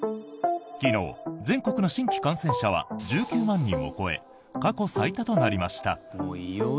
昨日、全国の新規感染者は１９万人を超え過去最多となりました。